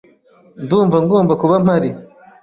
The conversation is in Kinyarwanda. Ndumva ngomba kuba mpari.